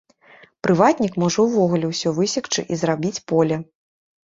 Прыватнік можа ўвогуле ўсё высекчы і зрабіць поле.